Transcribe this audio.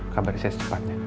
kabarnya saya secepatnya